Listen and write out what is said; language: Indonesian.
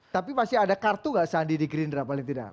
tapi masih ada kartu nggak sandi di gerindra paling tidak